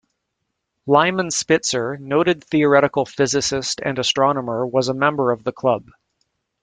Lyman Spitzer, noted theoretical physicist and astronomer was a member of the club.